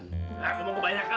nggak lo macin banyak